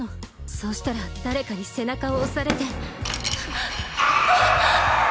そうしたら誰かに背中を押されて。